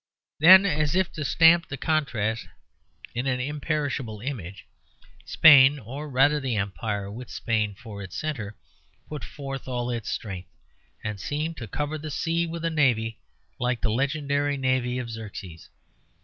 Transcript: Then, as if to stamp the contrast in an imperishable image, Spain, or rather the empire with Spain for its centre, put forth all its strength, and seemed to cover the sea with a navy like the legendary navy of Xerxes.